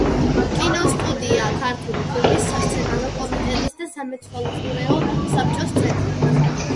კინოსტუდია „ქართული ფილმის“ სასცენარო კომიტეტის და სამეთვალყურეო საბჭოს წევრი.